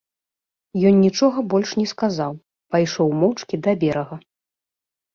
Ён нічога больш не сказаў, пайшоў моўчкі да берага.